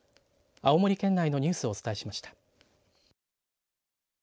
青森県内のニュースをお伝えしました。